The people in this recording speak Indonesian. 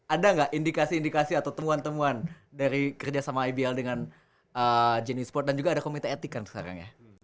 ada gak indikasi indikasi atau temuan temuan dari kerja sama abl dengan genius sport dan juga ada komite etik kan sekarang ya